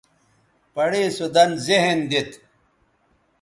پڑےسو دَن ذہن دیت